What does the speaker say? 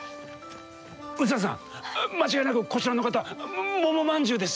ウスダさん間違いなくこちらの方桃まんじゅうです。